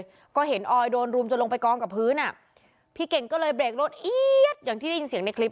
แล้วก็เห็นออยโดนรุมจนลงไปกองกับพื้นอ่ะพี่เก่งก็เลยเบรกรถเอี๊ยดอย่างที่ได้ยินเสียงในคลิป